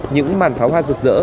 những màn pháo hoa rực rỡ